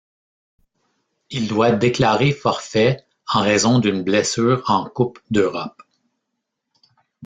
Il doit déclarer forfait en raison d'une blessure en coupe d'Europe.